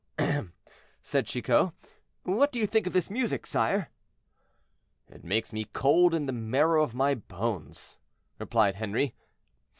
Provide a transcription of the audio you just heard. "Hem!" said Chicot, "what do you think of this music, sire?" "It makes me cold in the marrow of my bones," replied Henri.